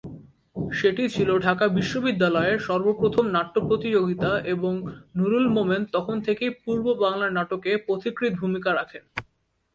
সেটি ছিল ঢাকা বিশ্ববিদ্যালয়ের সর্বপ্রথম নাট্য প্রতিযোগিতা এবং নুরুল মোমেন তখন থেকেই পূর্ব বাংলার নাটকে পথিকৃৎ ভূমিকা রাখেন।